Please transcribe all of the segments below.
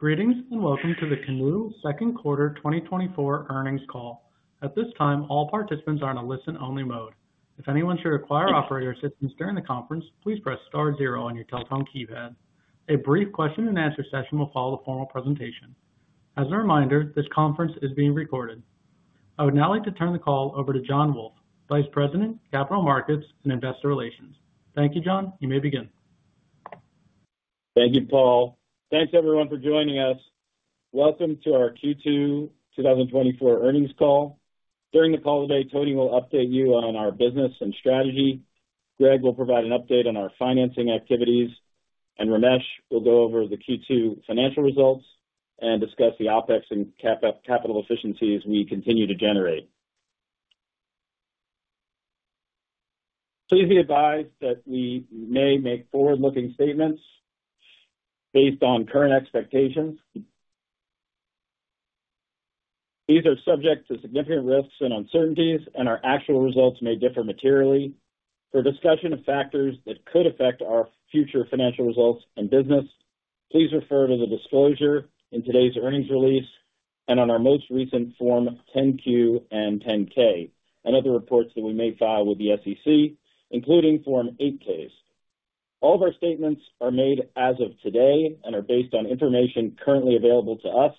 ...Greetings, and welcome to the Canoo Second Quarter 2024 Earnings Call. At this time, all participants are on a listen-only mode. If anyone should require operator assistance during the conference, please press star zero on your telephone keypad. A brief question and answer session will follow the formal presentation. As a reminder, this conference is being recorded. I would now like to turn the call over to John Wolfe, Vice President, Capital Markets and Investor Relations. Thank you, John. You may begin. Thank you, Paul. Thanks everyone for joining us. Welcome to our Q2 2024 earnings call. During the call today, Tony will update you on our business and strategy, Greg will provide an update on our financing activities, and Ramesh will go over the Q2 financial results and discuss the OpEx and capital efficiencies we continue to generate. Please be advised that we may make forward-looking statements based on current expectations. These are subject to significant risks and uncertainties, and our actual results may differ materially. For discussion of factors that could affect our future financial results and business, please refer to the disclosure in today's earnings release and on our most recent Form 10-Q and 10-K, and other reports that we may file with the SEC, including Form 8-Ks. All of our statements are made as of today and are based on information currently available to us.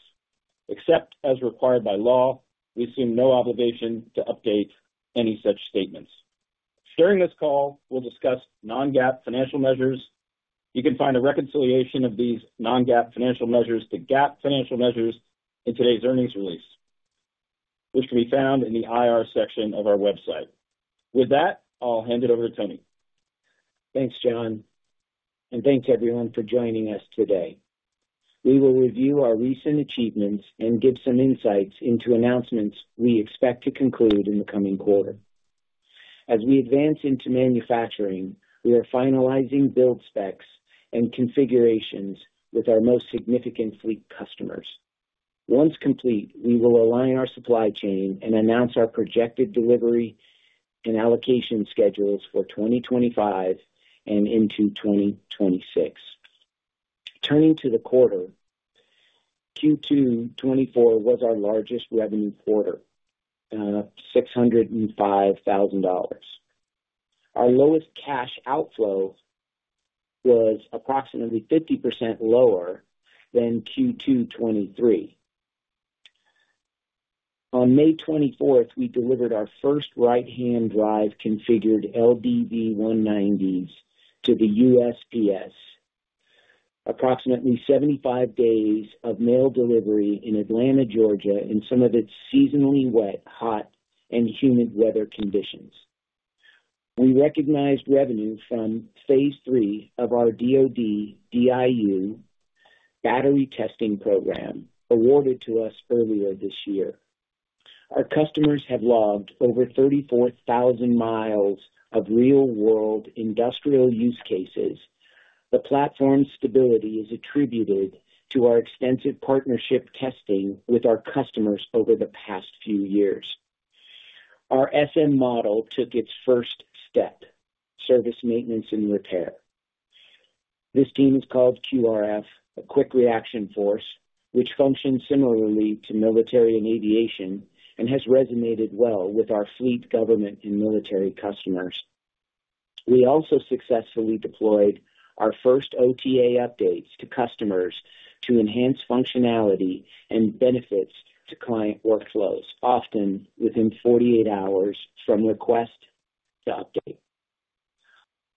Except as required by law, we assume no obligation to update any such statements. During this call, we'll discuss non-GAAP financial measures. You can find a reconciliation of these non-GAAP financial measures to GAAP financial measures in today's earnings release, which can be found in the IR section of our website. With that, I'll hand it over to Tony. Thanks, John, and thanks everyone for joining us today. We will review our recent achievements and give some insights into announcements we expect to conclude in the coming quarter. As we advance into manufacturing, we are finalizing build specs and configurations with our most significant fleet customers. Once complete, we will align our supply chain and announce our projected delivery and allocation schedules for 2025 and into 2026. Turning to the quarter, Q2 2024 was our largest revenue quarter, $605,000. Our lowest cash outflow was approximately 50% lower than Q2 2023. On May twenty-fourth, we delivered our first right-hand drive configured LDV 190s to the USPS, approximately 75 days of mail delivery in Atlanta, Georgia, in some of its seasonally wet, hot, and humid weather conditions. We recognized revenue from phase three of our DoD DIU battery testing program awarded to us earlier this year. Our customers have logged over 34,000 miles of real-world industrial use cases. The platform stability is attributed to our extensive partnership testing with our customers over the past few years. Our SM model took its first step, service, maintenance and repair. This team is called QRF, a quick reaction force, which functions similarly to military and aviation and has resonated well with our fleet, government, and military customers. We also successfully deployed our first OTA updates to customers to enhance functionality and benefits to client workflows, often within 48 hours from request to update.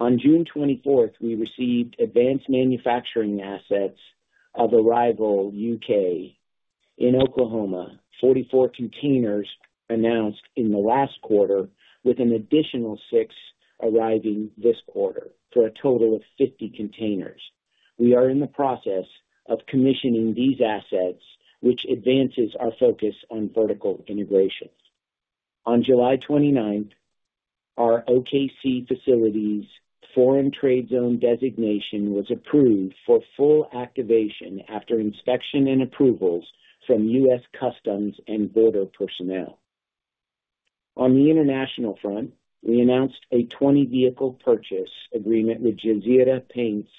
On June 24th, we received advanced manufacturing assets of Arrival U.K. in Oklahoma. 44 containers announced in the last quarter, with an additional 6 arriving this quarter for a total of 50 containers. We are in the process of commissioning these assets, which advances our focus on vertical integration. On July 29th, our OKC facility's Foreign Trade Zone designation was approved for full activation after inspection and approvals from U.S. Customs and Border Protection. On the international front, we announced a 20-vehicle purchase agreement with Jazeera Paints,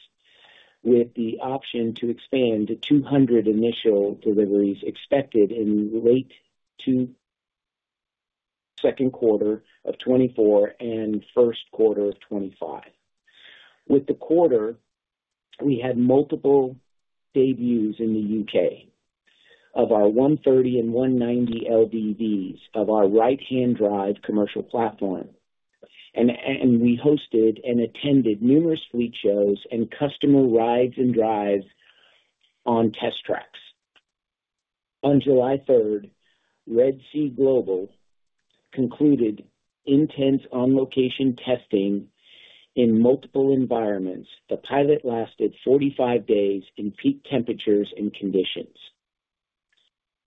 with the option to expand to 200 initial deliveries expected in late to second quarter of 2024 and first quarter of 2025. With the quarter, we had multiple debuts in the U.K. of our 130 and 190 LDVs of our right-hand drive commercial platform, and we hosted and attended numerous fleet shows and customer rides and drives on test tracks. On July 3, Red Sea Global concluded intense on-location testing in multiple environments. The pilot lasted 45 days in peak temperatures and conditions.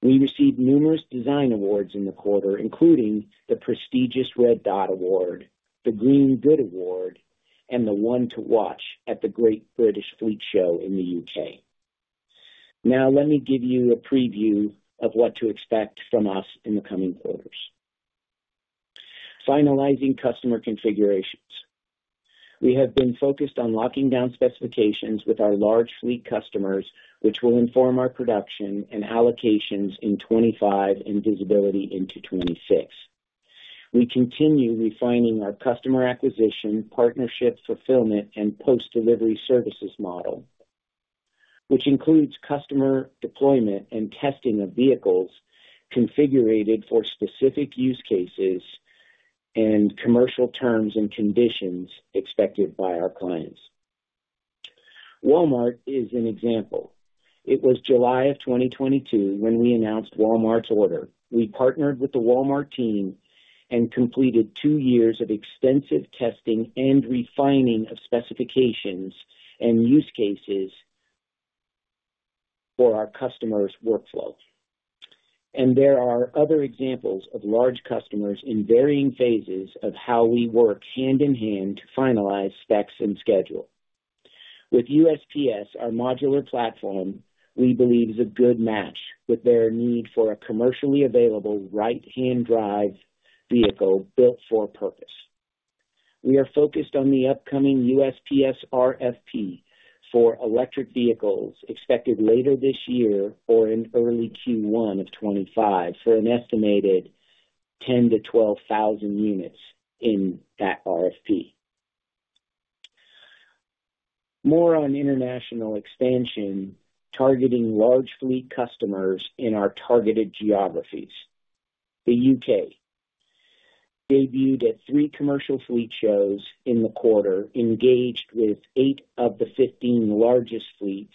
We received numerous design awards in the quarter, including the prestigious Red Dot Award, the Green Good Award, and the One to Watch at the Great British Fleet Show in the U.K. Now, let me give you a preview of what to expect from us in the coming quarters.... Finalizing customer configurations. We have been focused on locking down specifications with our large fleet customers, which will inform our production and allocations in 25 and visibility into 26. We continue refining our customer acquisition, partnership, fulfillment, and post-delivery services model, which includes customer deployment and testing of vehicles configured for specific use cases and commercial terms and conditions expected by our clients. Walmart is an example. It was July of 2022 when we announced Walmart's order. We partnered with the Walmart team and completed two years of extensive testing and refining of specifications and use cases for our customers' workflows. There are other examples of large customers in varying phases of how we work hand in hand to finalize specs and schedule. With USPS, our modular platform, we believe, is a good match with their need for a commercially available right-hand drive vehicle built for purpose. We are focused on the upcoming USPS RFP for electric vehicles expected later this year or in early Q1 of 2025 for an estimated 10,000-12,000 units in that RFP. More on international expansion, targeting large fleet customers in our targeted geographies. The U.K. debuted at three commercial fleet shows in the quarter, engaged with eight of the 15 largest fleets.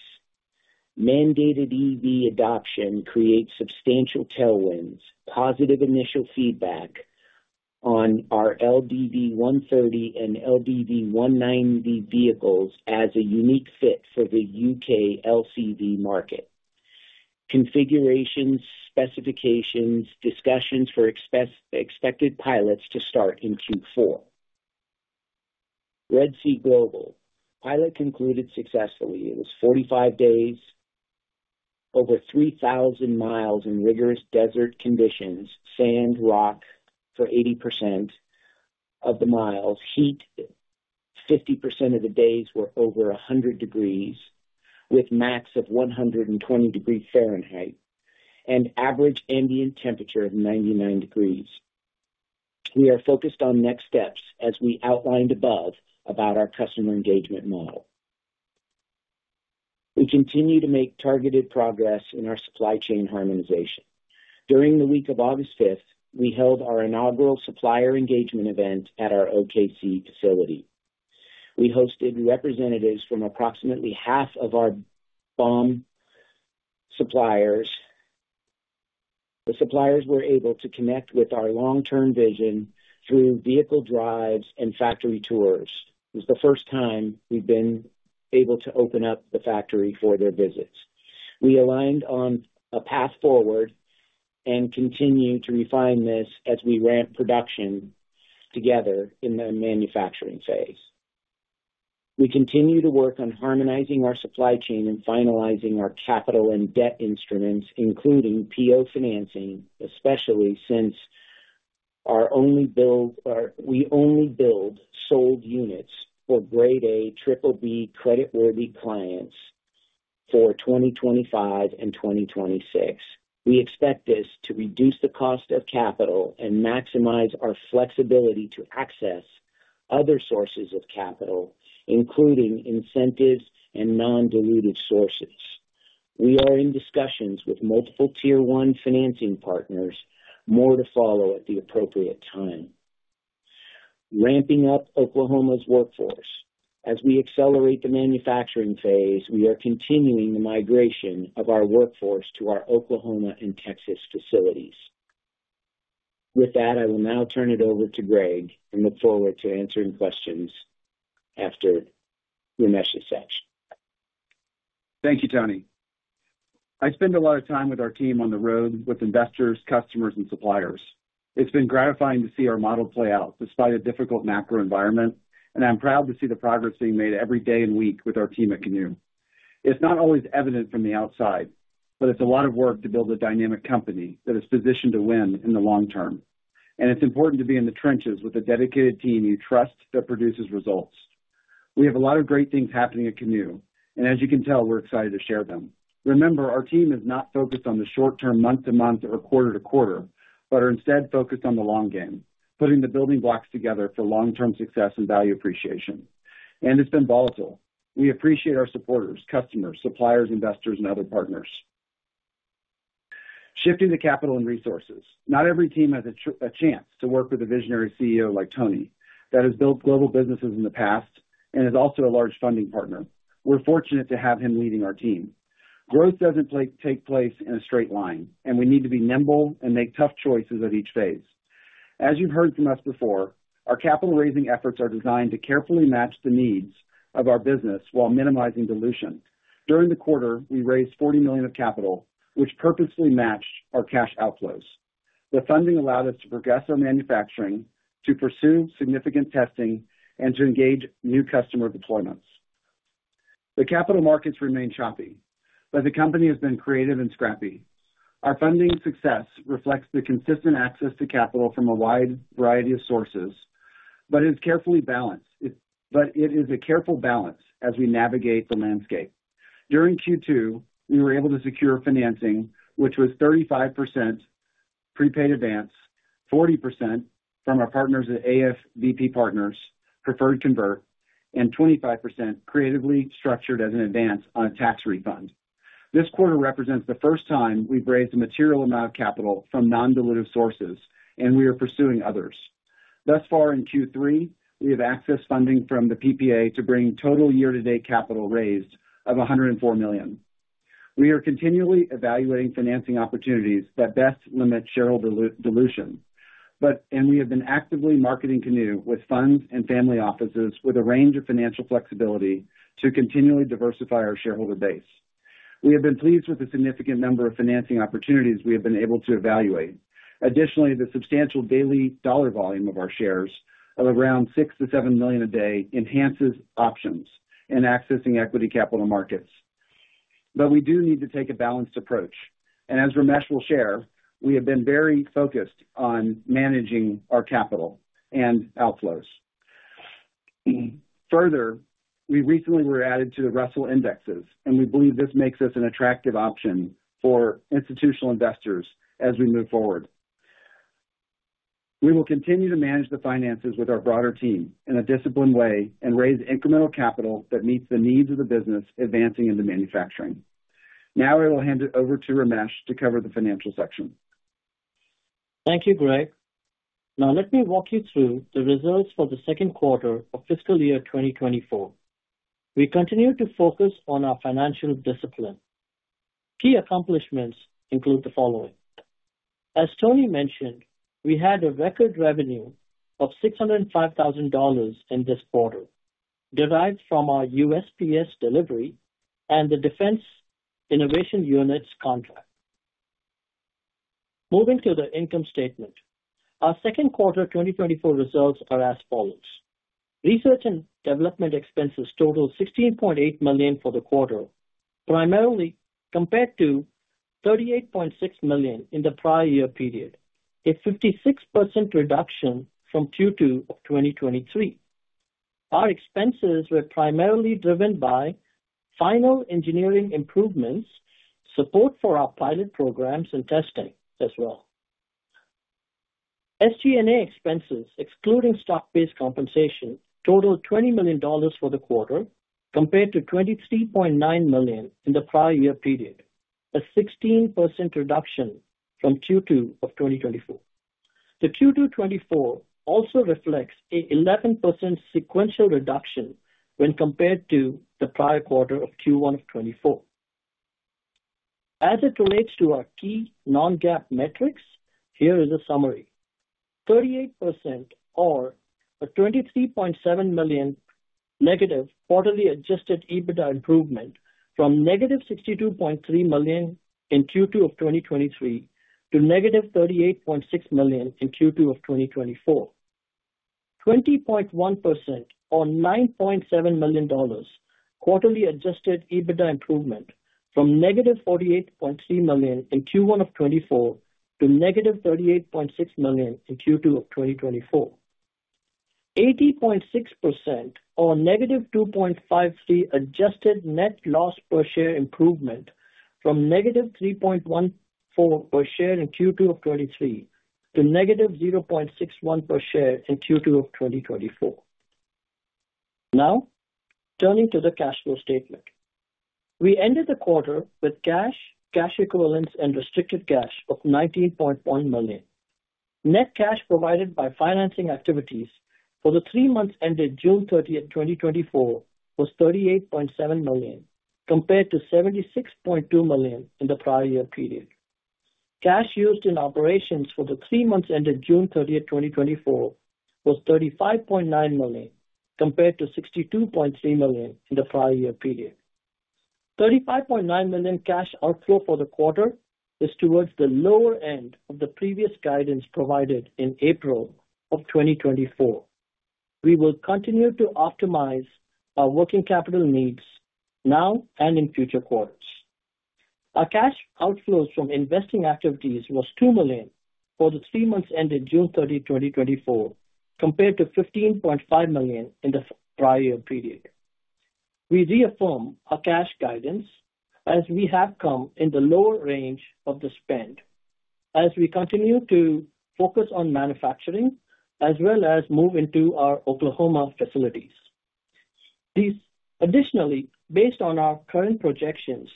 Mandated EV adoption creates substantial tailwinds, positive initial feedback on our LDV 130 and LDV 190 vehicles as a unique fit for the U.K. LCV market. Configurations, specifications, discussions for expected pilots to start in Q4. Red Sea Global pilot concluded successfully. It was 45 days, over 3,000 miles in rigorous desert conditions, sand, rock for 80% of the miles. Heat, 50% of the days were over 100 degrees, with max of 120 degrees Fahrenheit and average ambient temperature of 99 degrees. We are focused on next steps, as we outlined above, about our customer engagement model. We continue to make targeted progress in our supply chain harmonization. During the week of August 5, we held our inaugural supplier engagement event at our OKC facility. We hosted representatives from approximately half of our BOM suppliers. The suppliers were able to connect with our long-term vision through vehicle drives and factory tours. It was the first time we've been able to open up the factory for their visits. We aligned on a path forward and continue to refine this as we ramp production together in the manufacturing phase. We continue to work on harmonizing our supply chain and finalizing our capital and debt instruments, including PO financing, especially since we only build sold units for grade A BBB creditworthy clients for 2025 and 2026. We expect this to reduce the cost of capital and maximize our flexibility to access other sources of capital, including incentives and non-diluted sources. We are in discussions with multiple Tier 1 financing partners. More to follow at the appropriate time. Ramping up Oklahoma's workforce. As we accelerate the manufacturing phase, we are continuing the migration of our workforce to our Oklahoma and Texas facilities. With that, I will now turn it over to Greg and look forward to answering questions after Ramesh's session. Thank you, Tony. I spend a lot of time with our team on the road with investors, customers, and suppliers. It's been gratifying to see our model play out despite a difficult macro environment, and I'm proud to see the progress being made every day and week with our team at Canoo. It's not always evident from the outside, but it's a lot of work to build a dynamic company that is positioned to win in the long term. And it's important to be in the trenches with a dedicated team you trust that produces results. We have a lot of great things happening at Canoo, and as you can tell, we're excited to share them. Remember, our team is not focused on the short term, month to month or quarter to quarter, but are instead focused on the long game, putting the building blocks together for long-term success and value appreciation. It's been volatile. We appreciate our supporters, customers, suppliers, investors, and other partners. Shifting to capital and resources, not every team has a chance to work with a visionary CEO like Tony, that has built global businesses in the past and is also a large funding partner. We're fortunate to have him leading our team. Growth doesn't take place in a straight line, and we need to be nimble and make tough choices at each phase. As you've heard from us before, our capital raising efforts are designed to carefully match the needs of our business while minimizing dilution. During the quarter, we raised $40 million of capital, which purposefully matched our cash outflows. The funding allowed us to progress our manufacturing, to pursue significant testing, and to engage new customer deployments. The capital markets remain choppy, but the company has been creative and scrappy. Our funding success reflects the consistent access to capital from a wide variety of sources, but it's carefully balanced. It. But it is a careful balance as we navigate the landscape. During Q2, we were able to secure financing, which was 35% prepaid advance, 40% from our partners at AFV Partners, preferred convert, and 25% creatively structured as an advance on a tax refund. This quarter represents the first time we've raised a material amount of capital from non-dilutive sources, and we are pursuing others. Thus far in Q3, we have accessed funding from the PPA to bring total year-to-date capital raised of $104 million. We are continually evaluating financing opportunities that best limit shareholder dilution, but and we have been actively marketing Canoo with funds and family offices with a range of financial flexibility to continually diversify our shareholder base. We have been pleased with the significant number of financing opportunities we have been able to evaluate. Additionally, the substantial daily dollar volume of our shares of around $6 million-$7 million a day enhances options in accessing equity capital markets. But we do need to take a balanced approach, and as Ramesh will share, we have been very focused on managing our capital and outflows. Further, we recently were added to the Russell Indexes, and we believe this makes us an attractive option for institutional investors as we move forward. We will continue to manage the finances with our broader team in a disciplined way and raise incremental capital that meets the needs of the business advancing into manufacturing. Now I will hand it over to Ramesh to cover the financial section. Thank you, Greg. Now let me walk you through the results for the second quarter of fiscal year 2024. We continued to focus on our financial discipline. Key accomplishments include the following: As Tony mentioned, we had a record revenue of $605,000 in this quarter, derived from our USPS delivery and the Defense Innovation Unit's contract. Moving to the income statement. Our second quarter 2024 results are as follows: Research and development expenses totaled $16.8 million for the quarter, primarily compared to $38.6 million in the prior year period, a 56% reduction from Q2 of 2023. Our expenses were primarily driven by final engineering improvements, support for our pilot programs, and testing as well. SG&A expenses, excluding stock-based compensation, totaled $20 million for the quarter, compared to $23.9 million in the prior year period, a 16% reduction from Q2 of 2024. The Q2 2024 also reflects an 11% sequential reduction when compared to the prior quarter of Q1 of 2024. As it relates to our key non-GAAP metrics, here is a summary. 38% or a $23.7 million negative quarterly adjusted EBITDA improvement from negative $62.3 million in Q2 of 2023 to negative $38.6 million in Q2 of 2024. 20.1% or $9.7 million quarterly adjusted EBITDA improvement from negative $48.3 million in Q1 of 2024 to negative $38.6 million in Q2 of 2024. 80.6% or negative 2.53 adjusted net loss per share improvement from -3.14 per share in Q2 of 2023 to -0.61 per share in Q2 of 2024. Now, turning to the cash flow statement. We ended the quarter with cash, cash equivalents, and restricted cash of $19.1 million. Net cash provided by financing activities for the three months ended June 30, 2024, was $38.7 million, compared to $76.2 million in the prior year period. Cash used in operations for the three months ended June 30, 2024, was $35.9 million, compared to $62.3 million in the prior year period. $35.9 million cash outflow for the quarter is towards the lower end of the previous guidance provided in April of 2024. We will continue to optimize our working capital needs now and in future quarters. Our cash outflows from investing activities was $2 million for the three months ended June 30, 2024, compared to $15.5 million in the prior year period. We reaffirm our cash guidance as we have come in the lower range of the spend, as we continue to focus on manufacturing as well as move into our Oklahoma facilities. Additionally, based on our current projections,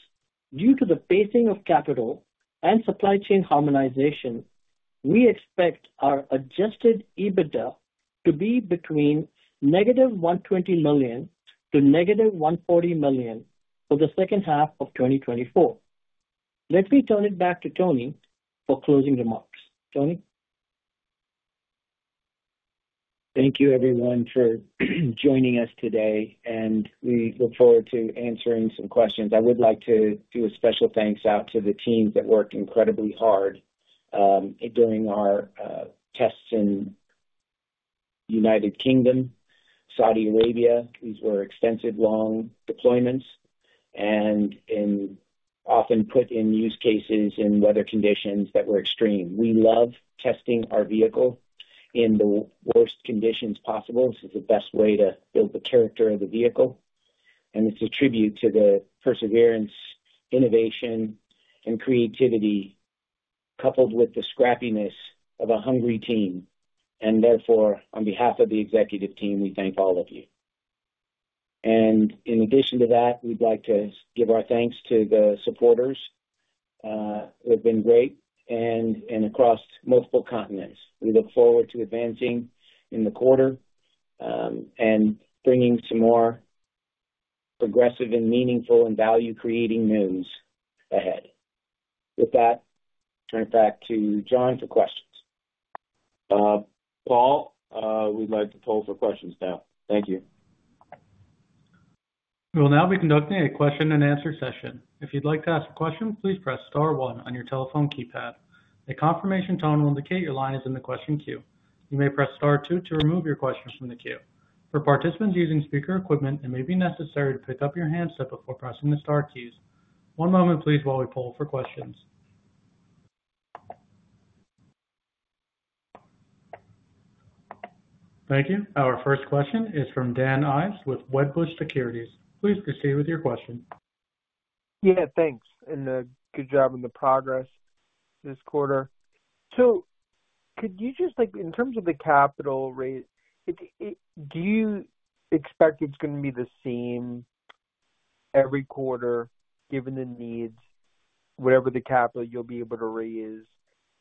due to the pacing of capital and supply chain harmonization, we expect our Adjusted EBITDA to be between negative $120 million and negative $140 million for the second half of 2024. Let me turn it back to Tony for closing remarks. Tony? Thank you, everyone, for joining us today, and we look forward to answering some questions. I would like to do a special thanks out to the teams that worked incredibly hard during our tests and-... United Kingdom, Saudi Arabia. These were extensive, long deployments, and often put in use cases in weather conditions that were extreme. We love testing our vehicle in the worst conditions possible. This is the best way to build the character of the vehicle, and it's a tribute to the perseverance, innovation, and creativity, coupled with the scrappiness of a hungry team, and therefore, on behalf of the executive team, we thank all of you. In addition to that, we'd like to give our thanks to the supporters who have been great and across multiple continents. We look forward to advancing in the quarter and bringing some more progressive and meaningful and value-creating news ahead. With that, turn it back to John for questions. Paul, we'd like to poll for questions now. Thank you. We will now be conducting a question-and-answer session. If you'd like to ask a question, please press star one on your telephone keypad. A confirmation tone will indicate your line is in the question queue. You may press star two to remove your questions from the queue. For participants using speaker equipment, it may be necessary to pick up your handset before pressing the star keys. One moment, please, while we poll for questions. Thank you. Our first question is from Dan Ives with Wedbush Securities. Please proceed with your question. Yeah, thanks, and good job on the progress this quarter. So could you just like, in terms of the capital raise, it... Do you expect it's going to be the same every quarter, given the needs, whatever the capital you'll be able to raise,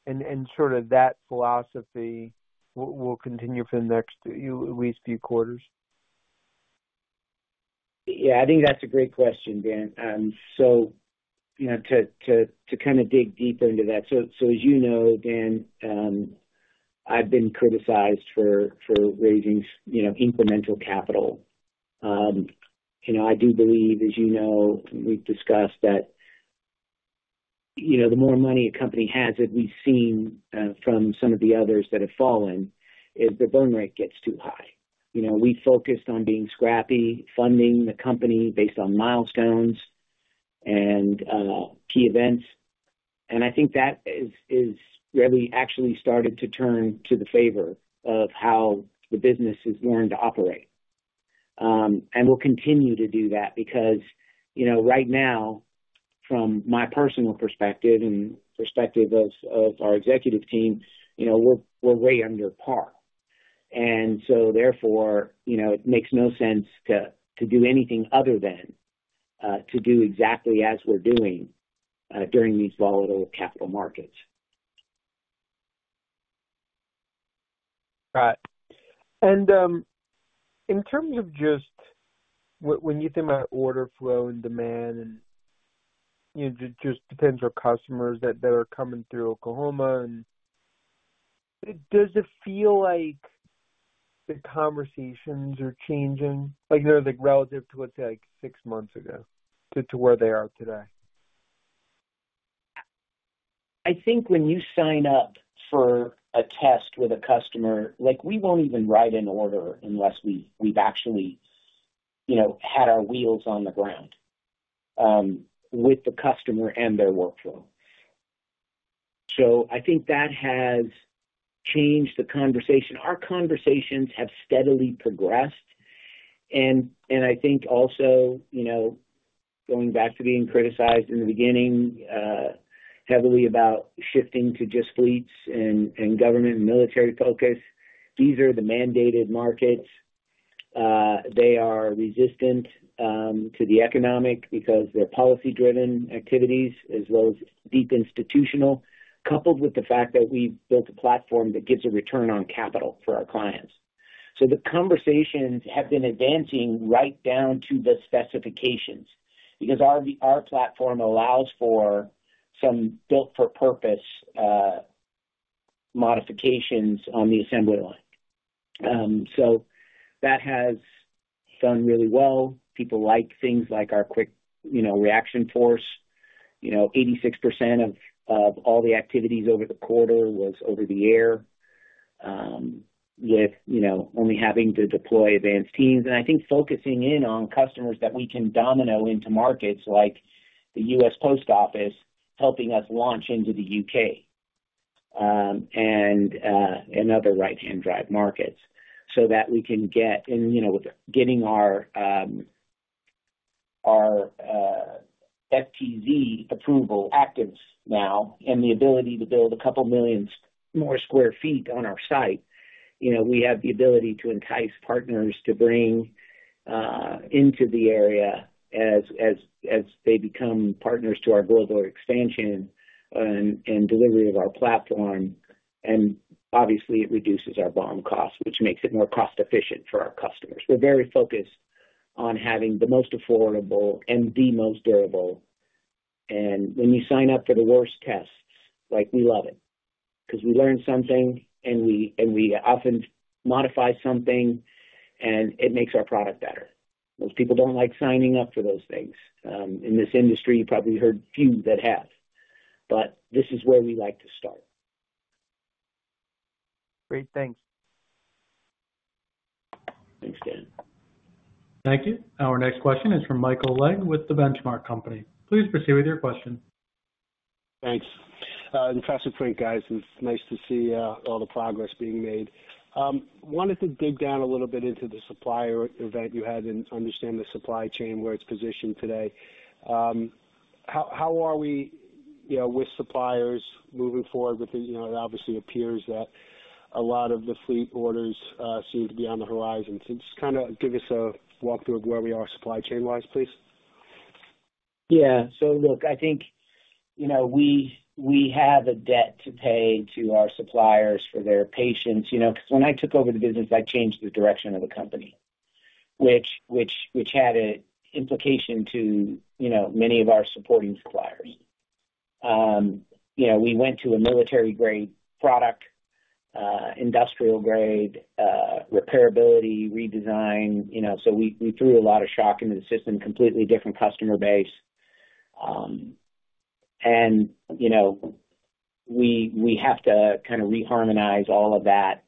and sort of that philosophy will continue for the next, at least few quarters? Yeah, I think that's a great question, Dan. So, you know, to kind of dig deeper into that. So, as you know, Dan, I've been criticized for raising, you know, incremental capital. You know, I do believe, as you know, we've discussed that, you know, the more money a company has, as we've seen, from some of the others that have fallen, is the burn rate gets too high. You know, we focused on being scrappy, funding the company based on milestones and key events. And I think that is where we actually started to turn to the favor of how the business has learned to operate. And we'll continue to do that because, you know, right now, from my personal perspective and perspective of our executive team, you know, we're way under par. And so therefore, you know, it makes no sense to do anything other than to do exactly as we're doing during these volatile capital markets. Got it. And in terms of just when you think about order flow and demand, and, you know, it just depends on customers that are coming through Oklahoma. And does it feel like the conversations are changing? Like, they're like, relative to, let's say, like, six months ago to where they are today. I think when you sign up for a test with a customer, like, we won't even write an order unless we've actually, you know, had our wheels on the ground with the customer and their workflow. So I think that has changed the conversation. Our conversations have steadily progressed, and I think also, you know, going back to being criticized in the beginning heavily about shifting to just fleets and government and military focus, these are the mandated markets. They are resistant to the economic because they're policy-driven activities as well as deep institutional, coupled with the fact that we've built a platform that gives a return on capital for our clients. So the conversations have been advancing right down to the specifications because our platform allows for some built-for-purpose modifications on the assembly line. So that has done really well. People like things like our quick, you know, reaction force. You know, 86% of all the activities over the quarter was over-the-air, with, you know, only having to deploy advanced teams. And I think focusing in on customers that we can domino into markets like the U.S. Post Office, helping us launch into the U.K., and other right-hand drive markets so that we can get... And, you know, with getting our FTZ approval active now and the ability to build a couple millions more sq ft on our site, you know, we have the ability to entice partners to bring into the area as they become partners to our global expansion and delivery of our platform. And obviously, it reduces our BOM cost, which makes it more cost-efficient for our customers. We're very focused on having the most affordable and the most durable, and when you sign up for the worst tests, like, we love it because we learn something, and we often modify something, and it makes our product better. Most people don't like signing up for those things. In this industry, you probably heard few that have.... but this is where we like to start. Great, thanks. Thanks, Dan. Thank you. Our next question is from Michael Legg with The Benchmark Company. Please proceed with your question. Thanks. Impressive print, guys. It's nice to see all the progress being made. Wanted to dig down a little bit into the supplier event you had and understand the supply chain, where it's positioned today. How, how are we, you know, with suppliers moving forward? With the, you know, it obviously appears that a lot of the fleet orders seem to be on the horizon. So just kinda give us a walkthrough of where we are supply chain-wise, please. Yeah. So look, I think, you know, we have a debt to pay to our suppliers for their patience, you know, 'cause when I took over the business, I changed the direction of the company, which had an implication to, you know, many of our supporting suppliers. You know, we went to a military-grade product, industrial grade, repairability, redesign, you know, so we threw a lot of shock into the system, completely different customer base. And, you know, we have to kind of reharmonize all of that.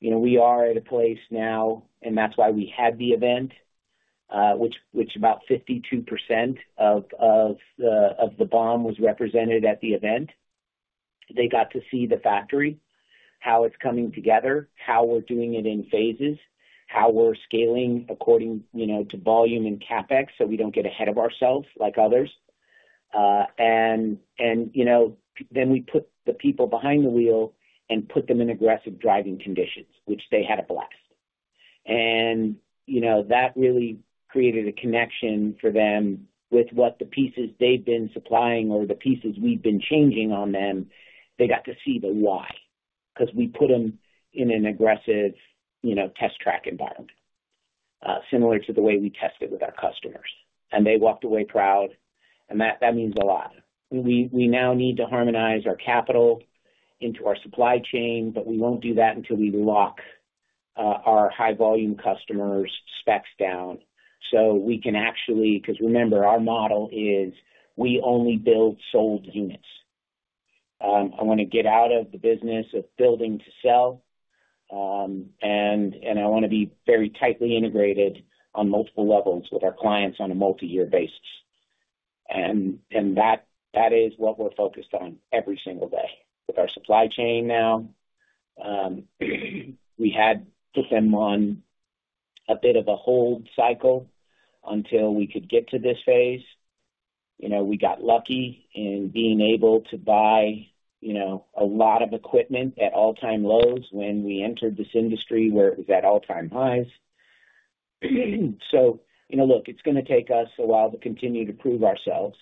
You know, we are at a place now, and that's why we had the event, which about 52% of the BOM was represented at the event. They got to see the factory, how it's coming together, how we're doing it in phases, how we're scaling according, you know, to volume and CapEx, so we don't get ahead of ourselves like others. And, and, you know, then we put the people behind the wheel and put them in aggressive driving conditions, which they had a blast. And, you know, that really created a connection for them with what the pieces they've been supplying or the pieces we've been changing on them, they got to see the why, 'cause we put them in an aggressive, you know, test track environment, similar to the way we tested with our customers. And they walked away proud, and that, that means a lot. We now need to harmonize our capital into our supply chain, but we won't do that until we lock our high volume customers' specs down. So we can actually... 'cause remember, our model is, we only build sold units. I wanna get out of the business of building to sell, and I wanna be very tightly integrated on multiple levels with our clients on a multi-year basis. And that is what we're focused on every single day. With our supply chain now, we had to put them on a bit of a hold cycle until we could get to this phase. You know, we got lucky in being able to buy, you know, a lot of equipment at all-time lows when we entered this industry, where it was at all-time highs. So, you know, look, it's gonna take us a while to continue to prove ourselves,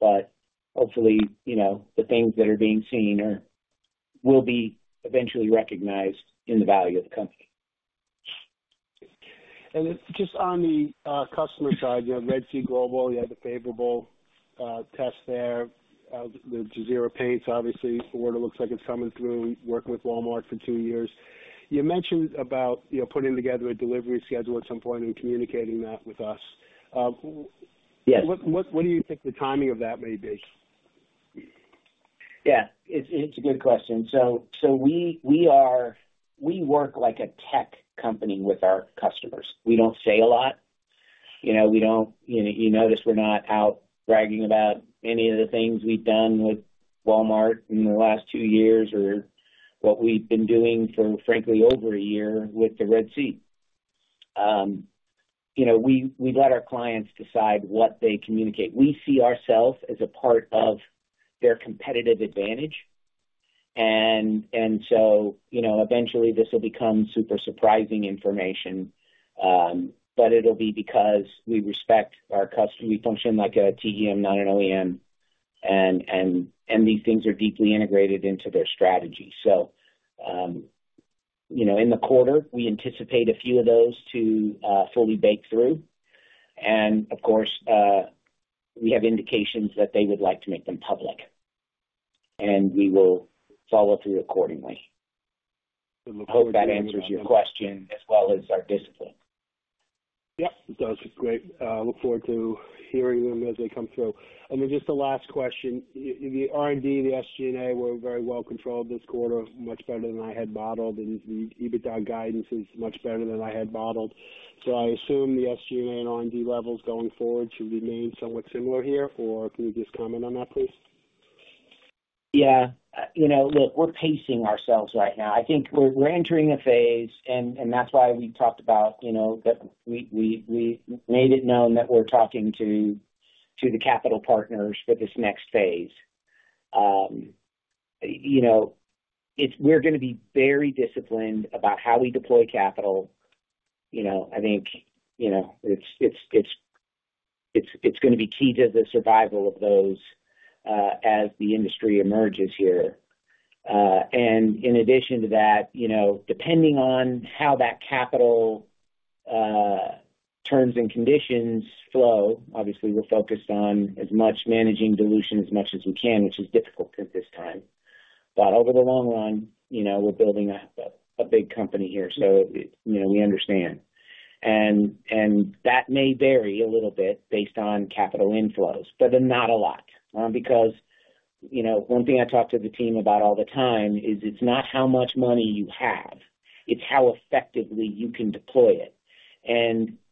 but hopefully, you know, the things that are being seen will be eventually recognized in the value of the company. And just on the customer side, you know, Red Sea Global, you had the favorable test there. The Jazeera Paints, obviously, Ford, it looks like it's coming through, working with Walmart for two years. You mentioned about, you know, putting together a delivery schedule at some point and communicating that with us. Yes. What do you think the timing of that may be? Yeah, it's a good question. So we work like a tech company with our customers. We don't say a lot, you know, we don't. You notice we're not out bragging about any of the things we've done with Walmart in the last two years, or what we've been doing for, frankly, over a year with the Red Sea. You know, we let our clients decide what they communicate. We see ourselves as a part of their competitive advantage, and so, you know, eventually this will become super surprising information, but it'll be because we respect our customers. We function like a TGM, not an OEM, and these things are deeply integrated into their strategy. So, you know, in the quarter, we anticipate a few of those to fully bake through. Of course, we have indications that they would like to make them public, and we will follow through accordingly. I look forward to- I hope that answers your question as well as our discipline. Yep, it does. Great. Look forward to hearing them as they come through. And then just the last question: the R&D, the SG&A, were very well controlled this quarter, much better than I had modeled, and the EBITDA guidance is much better than I had modeled. So I assume the SG&A and R&D levels going forward should remain somewhat similar here, or can you just comment on that, please? Yeah. You know, look, we're pacing ourselves right now. I think we're entering a phase, and that's why we talked about, you know, that we made it known that we're talking to the capital partners for this next phase. You know, we're gonna be very disciplined about how we deploy capital. You know, I think, you know, it's gonna be key to the survival of those, as the industry emerges here. And in addition to that, you know, depending on how that capital terms and conditions flow, obviously, we're focused on as much managing dilution as much as we can, which is difficult at this time... but over the long run, you know, we're building a big company here, so, you know, we understand. That may vary a little bit based on capital inflows, but not a lot, because, you know, one thing I talk to the team about all the time is, it's not how much money you have, it's how effectively you can deploy it.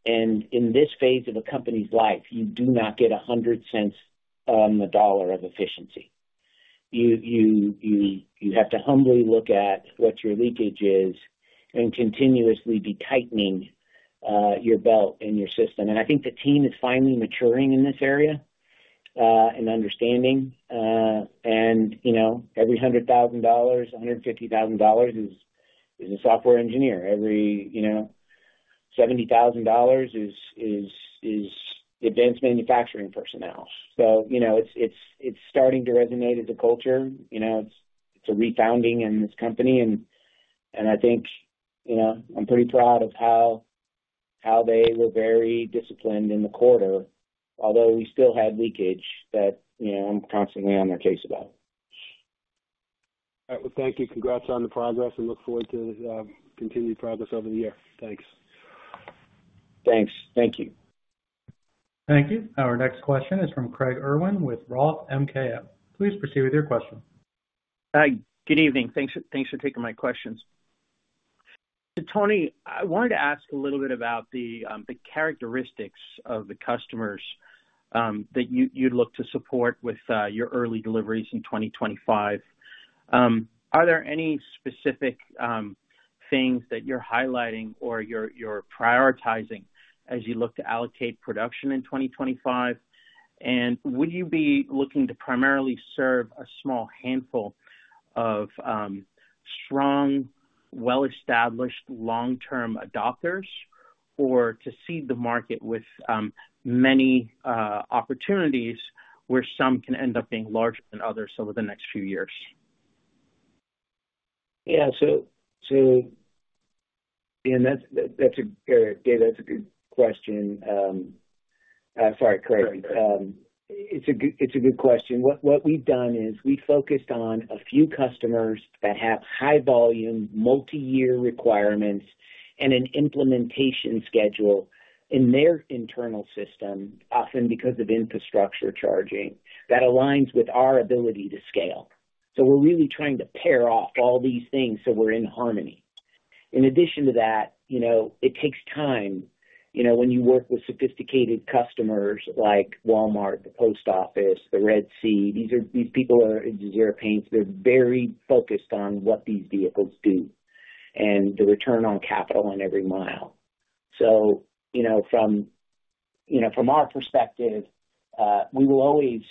In this phase of a company's life, you do not get 100 cents on the dollar of efficiency. You have to humbly look at what your leakage is and continuously be tightening your belt and your system. I think the team is finally maturing in this area, and understanding. You know, every $100,000, $150,000 is a software engineer. Every, you know, $70,000 is advanced manufacturing personnel. So, you know, it's starting to resonate as a culture. You know, it's a refounding in this company, and I think, you know, I'm pretty proud of how they were very disciplined in the quarter, although we still had leakage that, you know, I'm constantly on their case about. All right. Well, thank you. Congrats on the progress and look forward to continued progress over the year. Thanks. Thanks. Thank you. Thank you. Our next question is from Craig Irwin with Roth MKM. Please proceed with your question. Hi. Good evening. Thanks for, thanks for taking my questions. So Tony, I wanted to ask a little bit about the, the characteristics of the customers, that you, you look to support with, uh, your early deliveries in 2025. Are there any specific, things that you're highlighting or you're, you're prioritizing as you look to allocate production in 2025? And would you be looking to primarily serve a small handful of, strong, well-established, long-term adopters, or to seed the market with, many, opportunities, where some can end up being larger than others over the next few years? Yeah. So, so, and that's, that's a great... Dave, that's a good question. Sorry, Craig. Sorry, Craig. It's a good question. What we've done is we focused on a few customers that have high volume, multiyear requirements and an implementation schedule in their internal system, often because of infrastructure charging, that aligns with our ability to scale. So we're really trying to pair off all these things so we're in harmony. In addition to that, you know, it takes time, you know, when you work with sophisticated customers like Walmart, the Post Office, the Red Sea, these are Jazeera Paints. They're very focused on what these vehicles do and the return on capital on every mile. So, you know, from our perspective, we will always,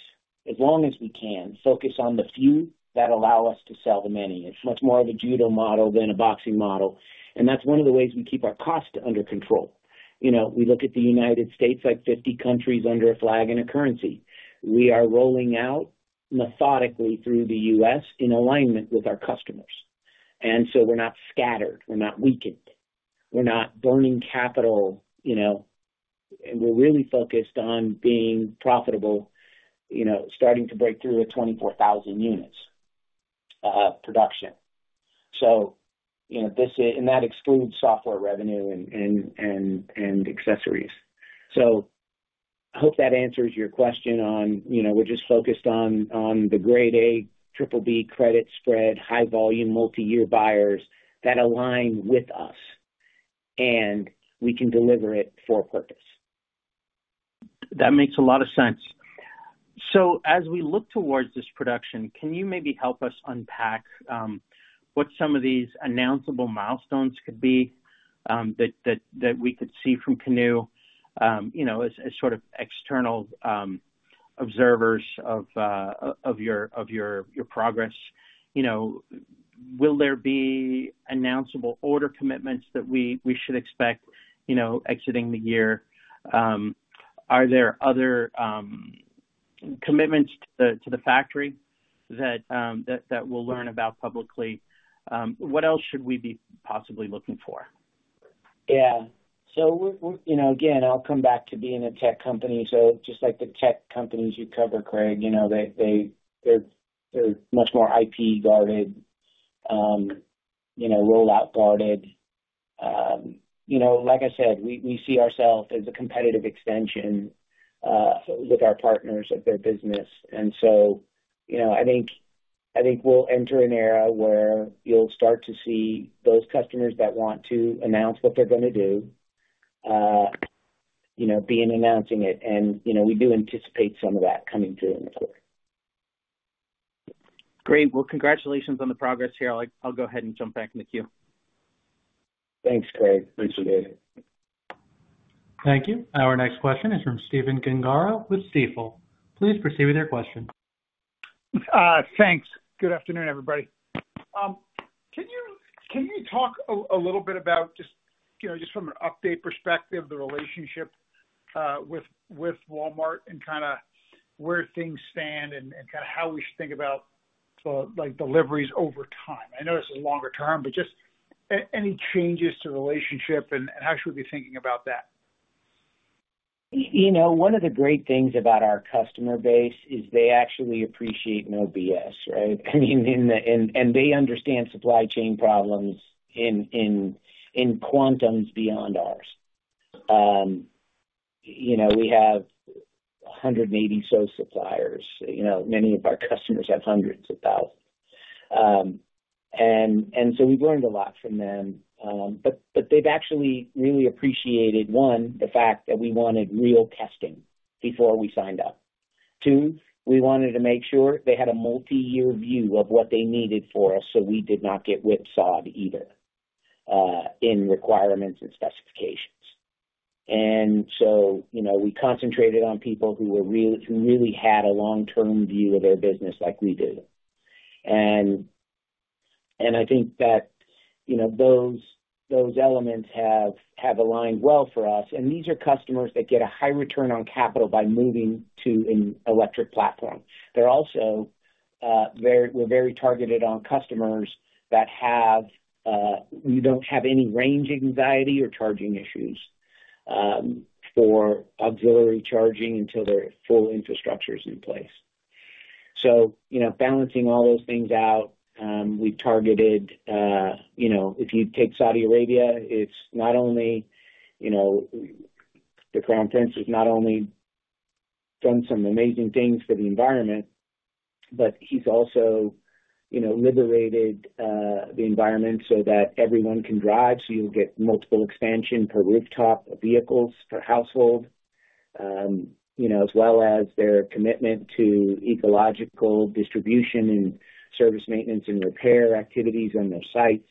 as long as we can, focus on the few that allow us to sell the many. It's much more of a judo model than a boxing model, and that's one of the ways we keep our costs under control. You know, we look at the United States like 50 countries under a flag and a currency. We are rolling out methodically through the U.S. in alignment with our customers, and so we're not scattered, we're not weakened, we're not burning capital, you know. We're really focused on being profitable, you know, starting to break through at 24,000 units production. So, you know, this is. And that excludes software revenue and accessories. So I hope that answers your question on, you know, we're just focused on the grade A, triple B credit spread, high volume, multiyear buyers that align with us, and we can deliver it for a purpose. That makes a lot of sense. So as we look towards this production, can you maybe help us unpack what some of these announceable milestones could be that we could see from Canoo? You know, as sort of external observers of your progress. You know, will there be announceable order commitments that we should expect, you know, exiting the year? Are there other commitments to the factory that we'll learn about publicly? What else should we be possibly looking for? Yeah. So we, you know, again, I'll come back to being a tech company. So just like the tech companies you cover, Craig, you know, they're much more IP guarded, you know, rollout guarded. You know, like I said, we see ourselves as a competitive extension with our partners of their business. And so, you know, I think we'll enter an era where you'll start to see those customers that want to announce what they're going to do, you know, be in announcing it. And, you know, we do anticipate some of that coming through in the quarter. Great. Well, congratulations on the progress here. I'll, I'll go ahead and jump back in the queue. Thanks, Craig. Thanks again. Thank you. Our next question is from Stephen Gengaro with Stifel. Please proceed with your question. Thanks. Good afternoon, everybody. Can you talk a little bit about just, you know, just from an update perspective, the relationship with Walmart and kind of where things stand and kind of how we should think about the, like, deliveries over time? I know it's a longer term, but just any changes to the relationship and how should we be thinking about that?... You know, one of the great things about our customer base is they actually appreciate no BS, right? I mean, they understand supply chain problems in quantums beyond ours. You know, we have 180 or so suppliers. You know, many of our customers have hundreds of thousands. And so we've learned a lot from them. But they've actually really appreciated, one, the fact that we wanted real testing before we signed up. Two, we wanted to make sure they had a multi-year view of what they needed for us, so we did not get whipsawed either in requirements and specifications. And so, you know, we concentrated on people who were really who really had a long-term view of their business like we do. And I think that, you know, those elements have aligned well for us. These are customers that get a high return on capital by moving to an electric platform. They're also very... We're very targeted on customers that have, we don't have any range anxiety or charging issues, for auxiliary charging until their full infrastructure is in place. So, you know, balancing all those things out, we've targeted, you know, if you take Saudi Arabia, it's not only, you know, the Crown Prince has not only done some amazing things for the environment, but he's also, you know, liberated, the environment so that everyone can drive. So you'll get multiple expansion per rooftop of vehicles per household, you know, as well as their commitment to ecological distribution and service maintenance and repair activities on their sites.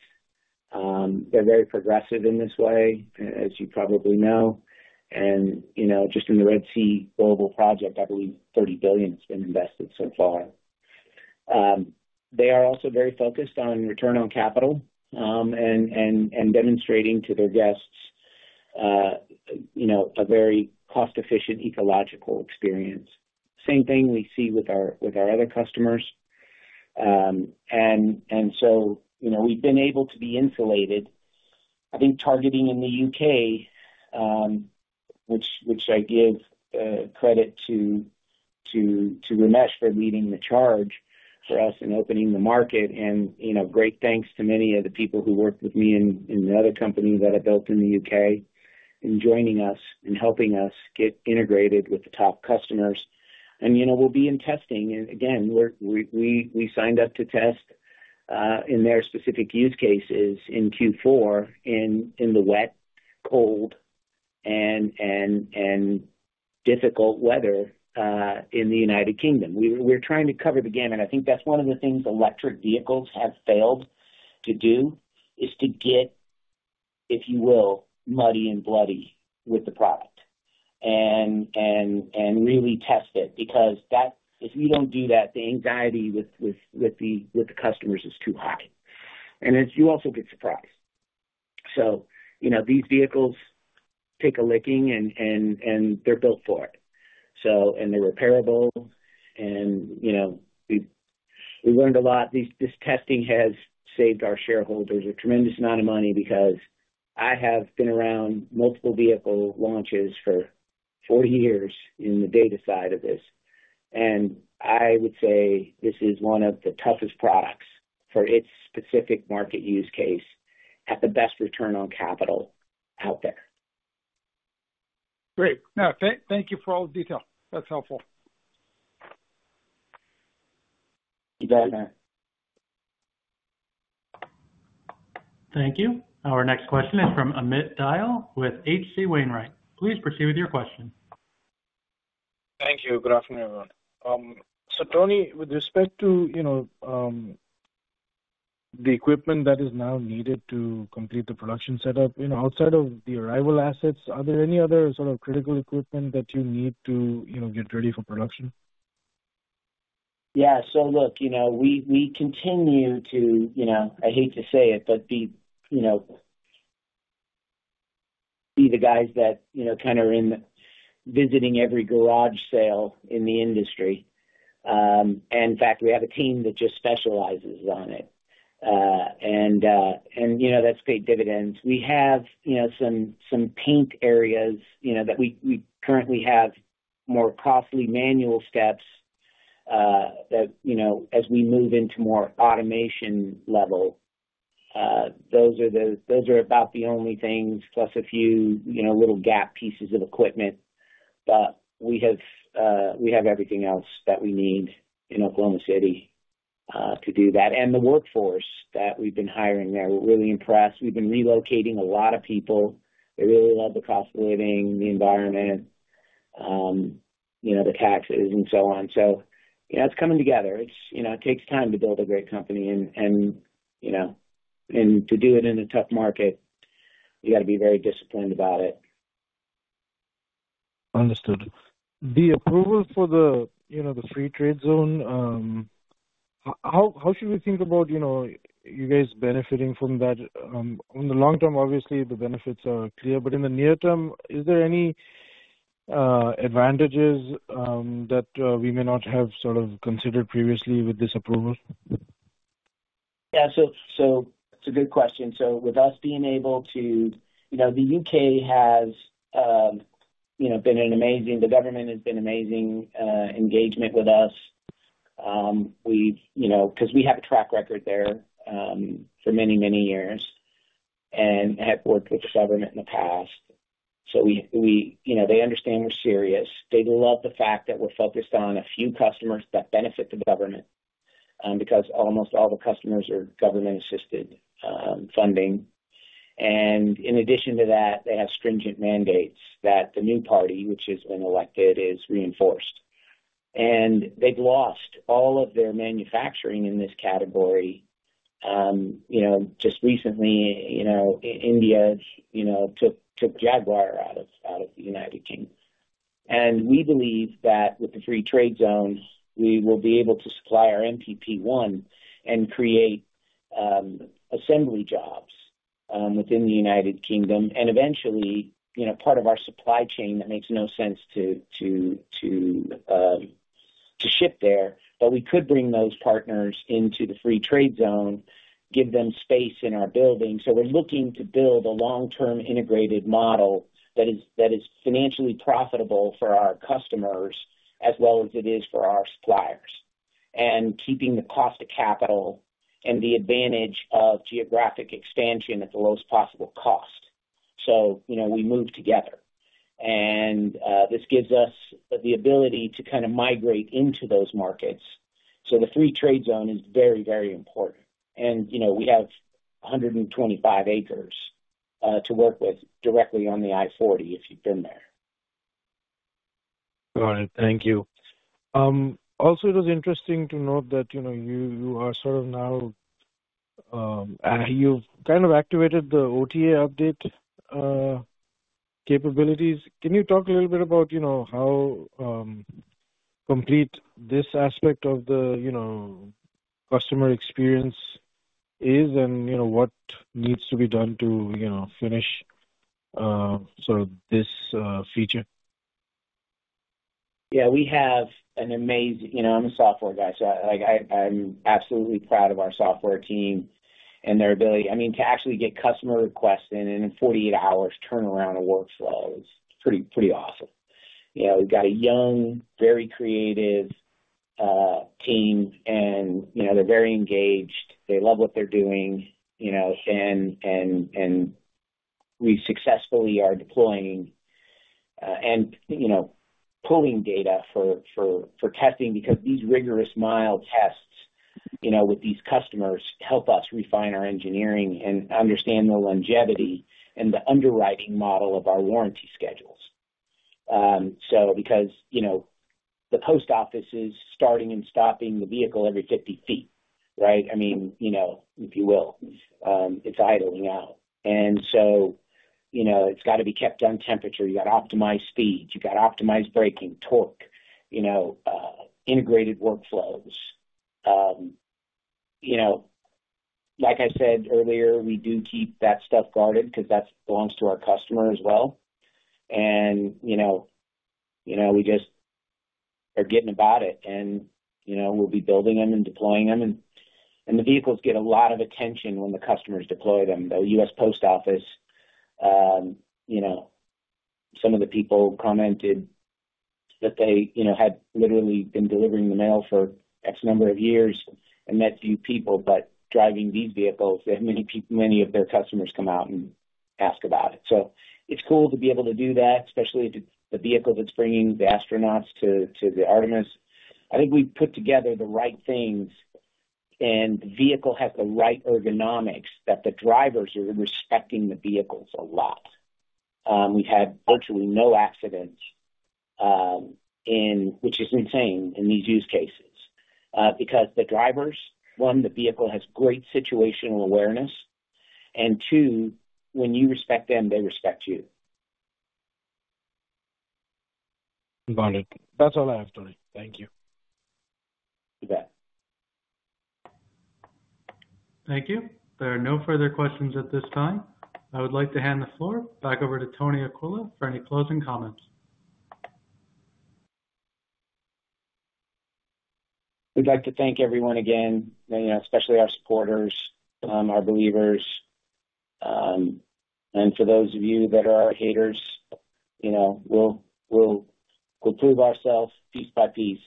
They're very progressive in this way, as you probably know. You know, just in the Red Sea Global project, I believe $30 billion has been invested so far. They are also very focused on return on capital, and demonstrating to their guests, you know, a very cost-efficient, ecological experience. Same thing we see with our other customers. So, you know, we've been able to be insulated. I think targeting in the U.K., which I give credit to Ramesh for leading the charge for us in opening the market. You know, great thanks to many of the people who worked with me in the other company that I built in the U.K., in joining us and helping us get integrated with the top customers. You know, we'll be in testing. Again, we signed up to test in their specific use cases in Q4, in the wet, cold, and difficult weather in the United Kingdom. We're trying to cover the gamut. I think that's one of the things electric vehicles have failed to do, is to get, if you will, muddy and bloody with the product and really test it, because that... If we don't do that, the anxiety with the customers is too high, and you also get surprised. So, you know, these vehicles take a licking and they're built for it. So, they're repairable, and, you know, we've learned a lot. This testing has saved our shareholders a tremendous amount of money because I have been around multiple vehicle launches for 40 years in the data side of this, and I would say this is one of the toughest products for its specific market use case at the best return on capital out there. Great. No, thank you for all the detail. That's helpful. You bet, Matt. Thank you. Our next question is from Amit Dayal with H.C. Wainwright. Please proceed with your question. Thank you. Good afternoon, everyone. So Tony, with respect to, you know, the equipment that is now needed to complete the production setup, you know, outside of the Arrival assets, are there any other sort of critical equipment that you need to, you know, get ready for production? Yeah. So look, you know, we continue to, you know, I hate to say it, but be, you know, be the guys that, you know, kind of in visiting every garage sale in the industry. And in fact, we have a team that just specializes on it. And, you know, that's paid dividends. We have, you know, some paint areas, you know, that we currently have more costly manual steps, that, you know, as we move into more automation level, those are about the only things, plus a few, you know, little gap pieces of equipment. But we have everything else that we need in Oklahoma City, to do that. And the workforce that we've been hiring there, we're really impressed. We've been relocating a lot of people. They really love the cost of living, the environment, you know, the taxes and so on. So, you know, it's coming together. It's, you know, it takes time to build a great company and, you know, and to do it in a tough market, you got to be very disciplined about it. Understood. The approval for the, you know, the Foreign Trade Zone, how should we think about, you know, you guys benefiting from that? In the long term, obviously, the benefits are clear, but in the near term, is there any advantages that we may not have sort of considered previously with this approval?... Yeah, so, so it's a good question. So with us being able to, you know, the U.K. has, you know, been an amazing, the government has been amazing, engagement with us. We've, you know, because we have a track record there, for many, many years and have worked with the government in the past. So we, you know, they understand we're serious. They love the fact that we're focused on a few customers that benefit the government, because almost all the customers are government-assisted, funding. And in addition to that, they have stringent mandates that the new party, which has been elected, is reinforced. And they've lost all of their manufacturing in this category. You know, just recently, you know, India, you know, took Jaguar out of the United Kingdom. We believe that with the free trade zones, we will be able to supply our MPP1 and create assembly jobs within the United Kingdom and eventually, you know, part of our supply chain that makes no sense to ship there. But we could bring those partners into the free trade zone, give them space in our building. So we're looking to build a long-term integrated model that is financially profitable for our customers as well as it is for our suppliers, and keeping the cost of capital and the advantage of geographic expansion at the lowest possible cost. So, you know, we move together, and this gives us the ability to kind of migrate into those markets. So the free trade zone is very, very important. You know, we have 125 acres to work with directly on the I-40, if you've been there. Got it. Thank you. Also, it was interesting to note that, you know, you are sort of now, you've kind of activated the OTA update capabilities. Can you talk a little bit about, you know, how complete this aspect of the, you know, customer experience is and you know, what needs to be done to, you know, finish sort of this feature? Yeah, we have an amazing... You know, I'm a software guy, so, like, I'm absolutely proud of our software team and their ability. I mean, to actually get customer requests in, and in 48 hours, turnaround a workflow is pretty, pretty awesome. You know, we've got a young, very creative team, and, you know, they're very engaged. They love what they're doing, you know, and we successfully are deploying, and, you know, pulling data for testing because these rigorous mile tests, you know, with these customers, help us refine our engineering and understand the longevity and the underwriting model of our warranty schedules. So because, you know, the post office is starting and stopping the vehicle every 50 feet, right? I mean, you know, if you will, it's idling out. So, you know, it's got to be kept on temperature. You got optimized speeds, you got optimized braking, torque, you know, integrated workflows. You know, like I said earlier, we do keep that stuff guarded because that belongs to our customer as well. And, you know, you know, we just are getting about it and, you know, we'll be building them and deploying them and the vehicles get a lot of attention when the customers deploy them. The U.S. Postal Service, you know, some of the people commented that they, you know, had literally been delivering the mail for X number of years and met few people, but driving these vehicles, they have many of their customers come out and ask about it. So it's cool to be able to do that, especially if the vehicle that's bringing the astronauts to the Artemis. I think we've put together the right things, and the vehicle has the right ergonomics that the drivers are respecting the vehicles a lot. We've had virtually no accidents, and which is insane in these use cases, because the drivers, one, the vehicle has great situational awareness, and two, when you respect them, they respect you. Got it. That's all I have, Tony. Thank you. You bet. Thank you. There are no further questions at this time. I would like to hand the floor back over to Tony Aquila for any closing comments. We'd like to thank everyone again, you know, especially our supporters, our believers. And for those of you that are our haters, you know, we'll prove ourselves piece by piece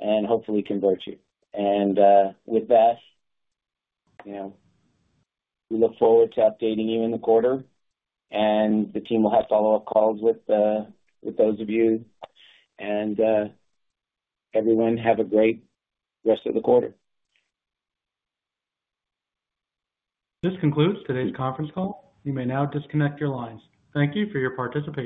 and hopefully convert you. With that, you know, we look forward to updating you in the quarter, and the team will have follow-up calls with those of you. Everyone, have a great rest of the quarter. This concludes today's conference call. You may now disconnect your lines. Thank you for your participation.